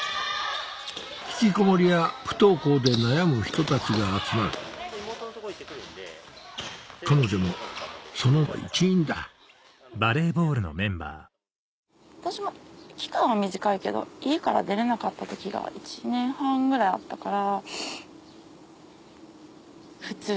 ひきこもりや不登校で悩む人たちが集まる彼女もその一員だ私も期間は短いけど家から出れなかった時が１年半ぐらいあったから。